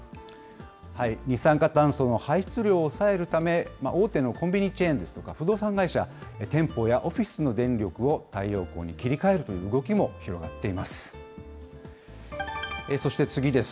二酸化炭素の排出量を抑えるため、大手のコンビニチェーンですとか、不動産会社、店舗やオフィスの電力を、太陽光に切り替えるという動きも広がっています。